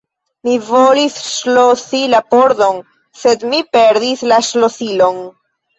Mi volis ŝlosi la pordon, sed mi perdis la ŝlosilon.